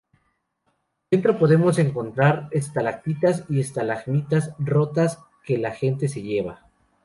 Dentro podemos encontrar estalactitas y estalagmitas rotas que la gente se lleva.